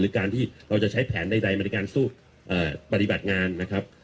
การที่เราจะใช้แผนใดมาในการสู้ปฏิบัติงานนะครับ